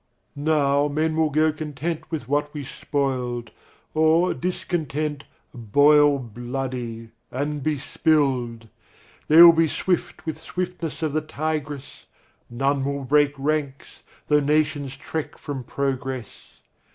Now men will go content with what we spoiled. Or, discontent, boil bloody, and be spilled. They will be swift with swiftness of the tigress, None will break ranks, though nations trek from progress.